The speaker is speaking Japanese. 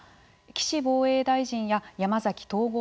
岸防衛大臣や山崎統合